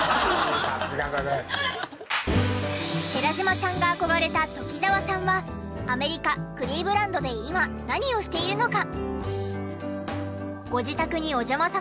寺島さんが憧れた鴇澤さんはアメリカクリーブランドで今何をしているのか？